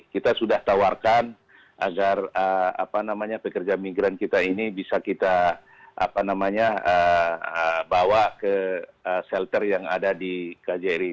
kita sudah tawarkan agar pekerja migran kita ini bisa kita bawa ke shelter yang ada di kjri